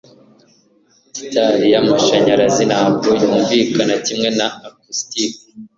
gitari y'amashanyarazi ntabwo yumvikana kimwe na acoustic